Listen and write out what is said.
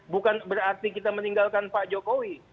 bukan berarti kita meninggalkan pak jokowi